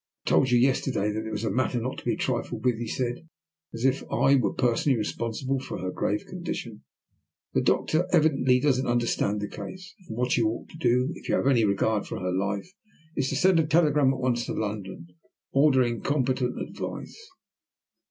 "I told you yesterday that it was a matter not to be trifled with," he said, as if I were personally responsible for her grave condition. "The doctor evidently doesn't understand the case, and what you ought to do, if you have any regard for her life, is to send a telegram at once to London, ordering competent advice."